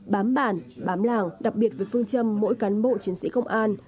bám bản bám làng đặc biệt với phương châm mỗi cán bộ chiến sĩ công an